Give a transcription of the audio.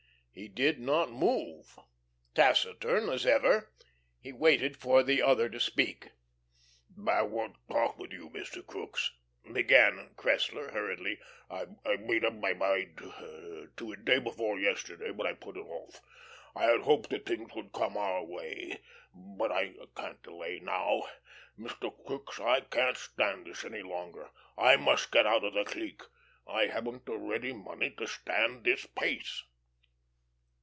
He did not move. Taciturn as ever, he waited for the other to speak. "I want to talk with you, Mr. Crookes," began Cressler, hurriedly. "I I made up my mind to it day before yesterday, but I put it off. I had hoped that things would come our way. But I can't delay now.... Mr. Crookes, I can't stand this any longer. I must get out of the clique. I haven't the ready money to stand this pace."